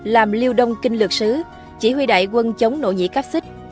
làm liêu đông kinh lược sứ chỉ huy đại quân chống nội nhị cáp xích